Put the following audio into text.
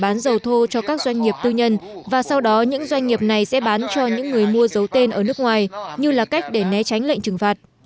bán dầu thô cho các doanh nghiệp tư nhân và sau đó những doanh nghiệp này sẽ bán cho những người mua dấu tên ở nước ngoài như là cách để né tránh lệnh trừng phạt